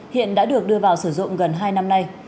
hiện đã được đưa vào sử dụng gần hai năm nay